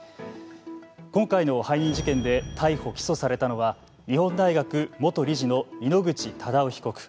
今回の背任事件で逮捕・起訴されたのは日本大学元理事の井ノ口忠男被告。